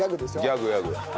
ギャグギャグ。